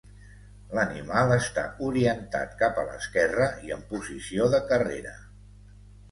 L'animal està orientat cap a l'esquerra i en posició de carrera.